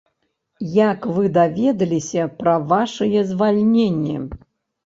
Як вы даведаліся пра вашае звальненне?